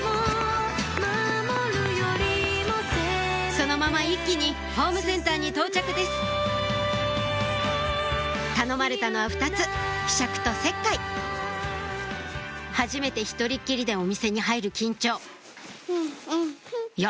そのまま一気にホームセンターに到着です頼まれたのは２つひしゃくと石灰はじめて一人っきりでお店に入る緊張いや